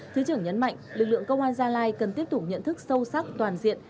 thứ trưởng nhấn mạnh lực lượng công an gia lai cần tiếp tục nhận thức sâu sắc toàn diện